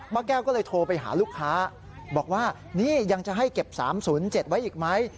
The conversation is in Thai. แก้วก็เลยโทรไปหาลูกค้าบอกว่านี่ยังจะให้เก็บ๓๐๗ไว้อีกไหม